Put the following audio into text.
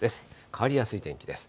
変わりやすい天気です。